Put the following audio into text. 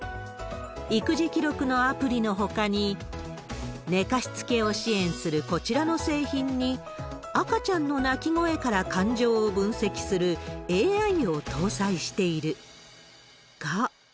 育児記録のアプリのほかに、寝かしつけを支援するこちらの製品に、赤ちゃんの泣き声から感情を分析するＡＩを搭載しているが。